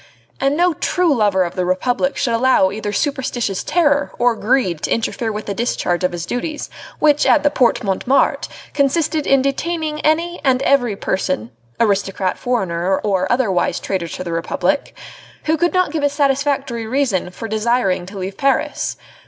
and no true lover of the Republic should allow either superstitious terror or greed to interfere with the discharge of his duties which at the Porte Montmartre consisted in detaining any and every person aristocrat, foreigner, or otherwise traitor to the Republic who could not give a satisfactory reason for desiring to leave Paris.